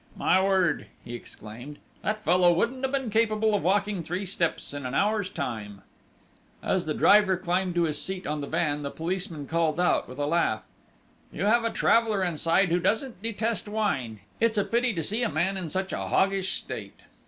"My word!" he exclaimed. "That fellow wouldn't have been capable of walking three steps in an hour's time!" As the driver climbed to his seat on the van, the policeman called out, with a laugh: "You have a traveller inside who doesn't detest wine!... It's a pity to see a man in such a hoggish state!"